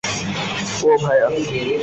ওহ, ভায়া।